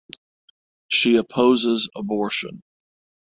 She opposes abortion.